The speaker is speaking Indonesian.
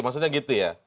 maksudnya gitu ya